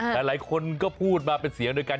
หลายคนก็พูดมาเป็นเสียงด้วยกัน